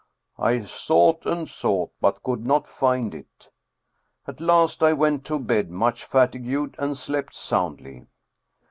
I sought and sought, but could not find it. At last I went to bed much fatigued, and slept soundly.